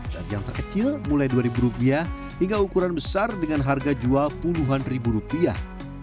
dari yang terkecil mulai dua ribu rupiah hingga ukuran besar dengan harga jual puluhan ribu rupiah